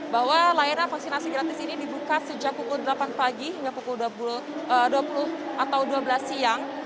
bahwa layanan vaksinasi gratis ini dibuka sejak pukul delapan pagi hingga pukul dua puluh atau dua belas siang